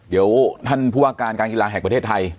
เดี๋ยวท่านผู้ว่าการการกีฬาแห่งประเทศไทย